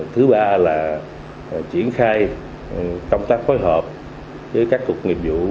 thứ ba là chuyển khai công tác phối hợp với các cuộc nghiệp vụ